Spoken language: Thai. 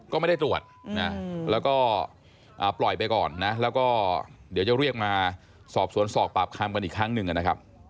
ก็ไม่ได้ตรวจนะแล้วก็ปล่อยไปก่อนนะแล้วก็เดี๋ยวจะเรียกมาสอบสวนสอบปากคำกันอีกครั้งหนึ่งนะครับ